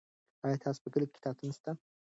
آیا ستا په کلي کې کتابتون سته؟